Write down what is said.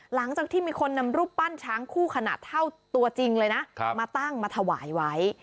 หลังจากที่มีคนนำรูปปั้นช้างคู่ขนาดเท่าตัวจริงเลยนะมาตั้งมาถวายไว้